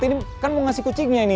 ini kan mau ngasih kucingnya ini